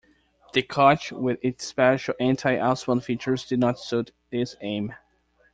The koch with its special anti-icebound features did not suit this aim.